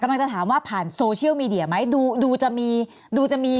กำลังจะถามว่าผ่านโซเชียลมีเดียไหมดูจะมี